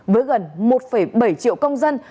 với gần một bảy triệu công dân